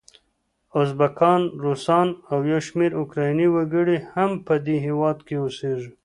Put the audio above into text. ازبکان، روسان او یو شمېر اوکرایني وګړي هم په دې هیواد کې اوسیږي.